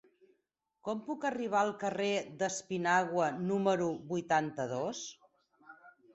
Com puc arribar al carrer d'Espinauga número vuitanta-dos?